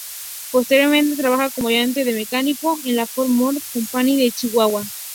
Posteriormente trabaja como ayudante de mecánico en la Ford Motor Company de Chihuahua.